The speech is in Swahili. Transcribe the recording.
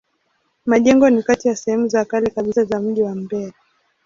Majengo ni kati ya sehemu za kale kabisa za mji wa Mbeya.